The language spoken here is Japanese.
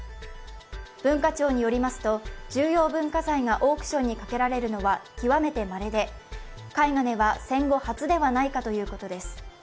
文化庁によりますと、重要文化財がオークションにかけられるのは極めてまれで絵画では戦後初ではないかということです。